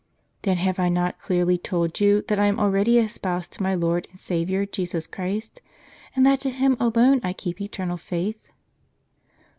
"Then have I not clearly told you that I am already espoused to my Lord and Saviour Jesus Christ, and that to Him alone I keep eternal faith